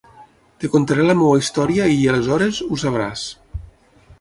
Et contaré la meva història i, aleshores, ho sabràs.